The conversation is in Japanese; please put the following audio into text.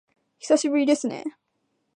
久しぶりですね